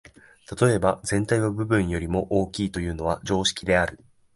例えば、「全体は部分よりも大きい」というのは常識である。